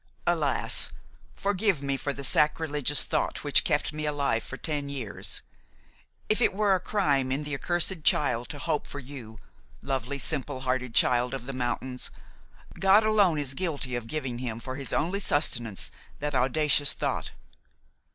"Alas! forgive me for the sacrilegious thought which kept me alive for ten years; if it were a crime in the accursed child to hope for you, lovely, simple hearted child of the mountains, God alone is guilty of giving him, for his only sustenance, that audacious thought.